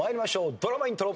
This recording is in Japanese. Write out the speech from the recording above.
ドラマイントロ。